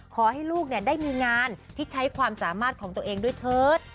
ขอให้ลูกได้มีงานที่ใช้ความสามารถของตัวเองด้วยเถิด